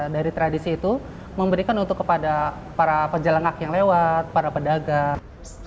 dari tradisi itu memberikan untuk kepada para penjelengak yang lewat para pedagang